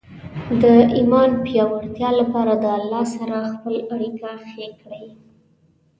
د ایمان پیاوړتیا لپاره د الله سره خپل اړیکه ښې کړئ.